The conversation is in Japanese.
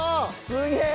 すげえ！